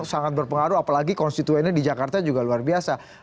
sangat berpengaruh apalagi konstituennya di jakarta juga luar biasa